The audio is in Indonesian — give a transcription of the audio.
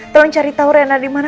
tolong cari tau rena dimana